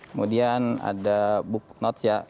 kemudian ada book notes ya